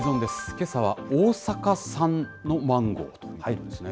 けさは大阪産のマンゴーということですね。